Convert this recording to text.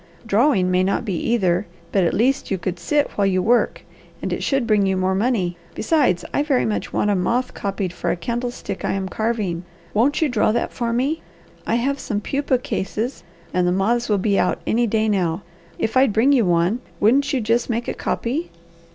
"Drawing may not be either, but at least you could sit while you work, and it should bring you more money. Besides, I very much want a moth copied for a candlestick I am carving. Won't you draw that for me? I have some pupae cases and the moths will be out any day now. If I'd bring you one, wouldn't you just make a copy?"